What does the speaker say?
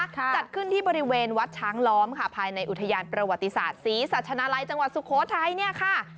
จัดขึ้นที่บริเวณวัดช้างล้อมค่ะภายในอุทยานประวัติศาสตร์ศรีสัชนาลัยจังหวัดสุโขทัยเนี่ยค่ะ